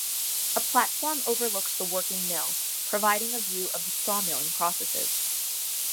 A platform overlooks the working mill, providing a view of the sawmilling processes.